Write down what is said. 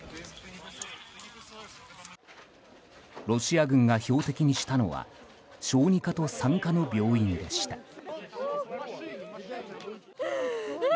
ロシア軍が標的にしたのは小児科と産科の病院でした。